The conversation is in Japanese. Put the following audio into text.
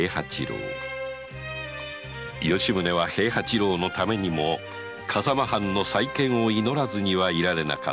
吉宗は平八郎のためにも笠間藩の再建を祈らずにはいられなかった